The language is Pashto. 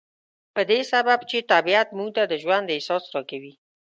په دې سبب چې طبيعت موږ ته د ژوند احساس را کوي.